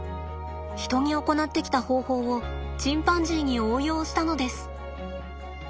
人に行ってきた方法をチンパンジーに応用したのです。